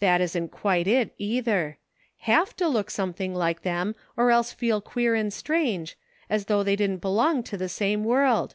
That isn't quite it, either ; have to look something like them or else feel queer and strange, as though they didn't belong to the same world.